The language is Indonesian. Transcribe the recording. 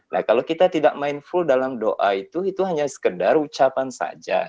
nah kalau kita tidak mindful dalam doa itu itu hanya sekedar ucapan saja